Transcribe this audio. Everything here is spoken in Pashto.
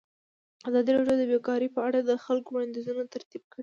ازادي راډیو د بیکاري په اړه د خلکو وړاندیزونه ترتیب کړي.